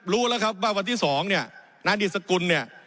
รู้แล้วครับว่าวันที่๒เนี่ยนายดิสกุลเนี่ย